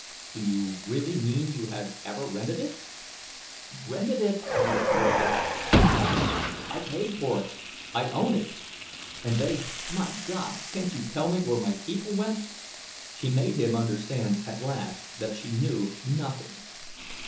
Do you really mean you had ever rented it?" "Rented it!" panted Jurgis. "I bought it! I paid for it! I own it! And they—my God, can't you tell me where my people went?" She made him understand at last that she knew nothing.